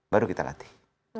baru kita latih